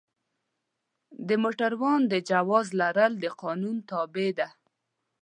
د موټروان د جواز لرل د قانون تابع ده.